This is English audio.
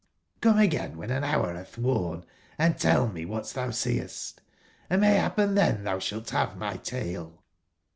Come again wben an bour batb worn , and tell mewbat tbou seest; andmaybappen tben tbou sbalt bave my tale!"